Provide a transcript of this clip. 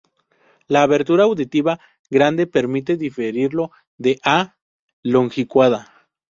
La abertura auditiva grande permite diferenciarlo de "A. longicauda".